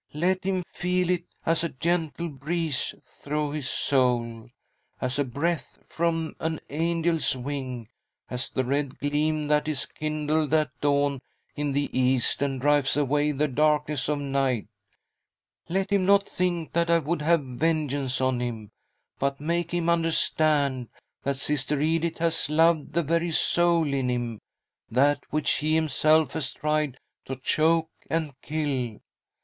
let him feel it as a gentle breeze through his soul, as the breath from an angel's wing, as the red gleam that is kindled at dawn in the east and drives away the darkness of night. Let him not think that I would have vengeance on him, but make him understand that Sister Edith has loved the very soul in him — that which he himself has tried to choke and kill.